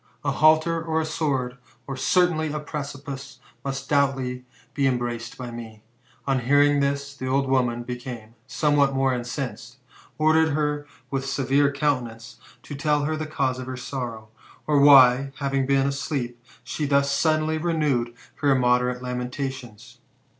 A halter, or a sword, or certainly a precipice, must doubtless be embraced by me." On hearing this, the old woman became GOLDEN ASS, OF APULEIUS. — BOOK IV. 65 somewhat more incensed, ordered her, with a severer countenance to tell her the tause of her sorrow ; or why, after having been asleep, she thus suddenly renewed her immoderate lamentations.